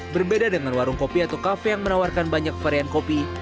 berbeda dengan warung kopi atau kafe yang menawarkan banyak varian kopi